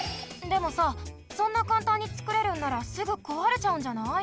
でもさそんなかんたんにつくれるんならすぐこわれちゃうんじゃない？